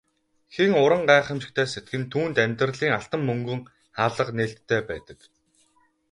Хэн уран гайхамшигтай сэтгэнэ түүнд амьдралын алтан мөнгөн хаалга нээлттэй байдаг.